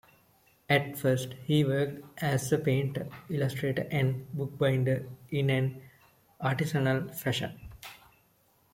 At first, he worked as a painter, illustrator and bookbinder in an artisanal fashion.